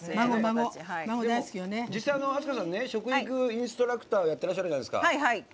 実際、明日香さん食育インストラクターやってるじゃないですか。